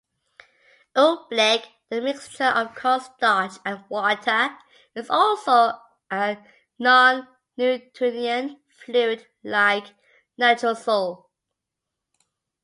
Oobleck, a mixture of cornstarch and water, is also a non-Newtonian fluid like Natrosol.